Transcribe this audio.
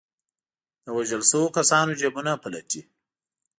د وژل شوو کسانو جېبونه پلټي.